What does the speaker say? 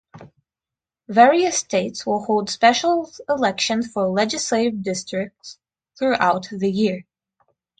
Various states will hold special elections for legislative districts throughout the year.